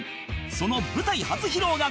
その舞台初披露がこちら